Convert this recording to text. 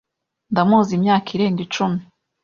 Ndamuzi imyaka irenga icumi.